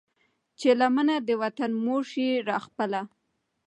چې لمنه د وطن مور شي را خپله